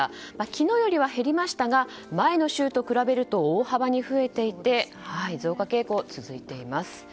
昨日よりは減りましたが前の週と比べると大幅に増えていて増加傾向が続いています。